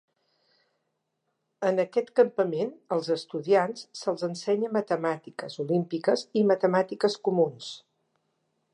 En aquest campament, als estudiants se'ls ensenya matemàtiques olímpiques i matemàtiques comuns.